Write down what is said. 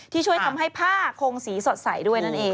ช่วยทำให้ผ้าคงสีสดใสด้วยนั่นเอง